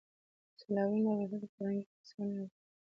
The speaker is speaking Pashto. سیلابونه د افغانستان د فرهنګي فستیوالونو یوه برخه ده.